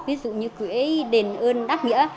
ví dụ như cưới đền ơn đắc nghĩa